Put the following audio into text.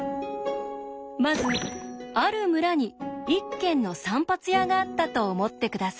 まずある村に１軒の散髪屋があったと思って下さい。